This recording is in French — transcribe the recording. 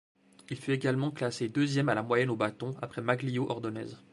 Il fut également classé deuxième à la moyenne au bâton après Magglio Ordonez.